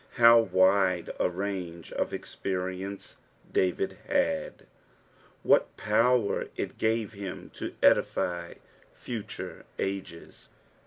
Hoie aidt a range of txperitnct DaiAd had! What pouxr it gaix Aim to edify futurt wjes